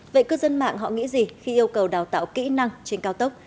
vậy cư dân mạng họ nghĩ gì khi yêu cầu đào tạo kỹ năng trên cao tốc